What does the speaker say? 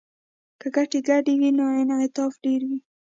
که ګټې ګډې وي نو انعطاف ډیر وي